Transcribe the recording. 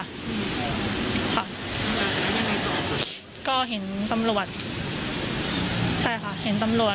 ค่ะก็เห็นตำรวจใช่ค่ะเห็นตำรวจ